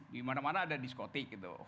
di mana mana ada diskotik gitu